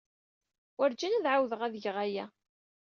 Werjin ad ɛawdeɣ ad geɣ aya!